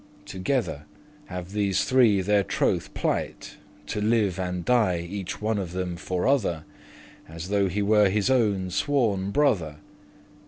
Together have these three their trothe plight To live and die each one of them for other As though he were his owen sworen brother.